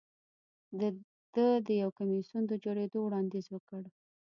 ده د یو کمېسیون د جوړېدو وړاندیز وکړ